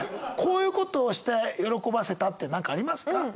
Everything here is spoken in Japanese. こういう事をして喜ばせたってなんかありますか？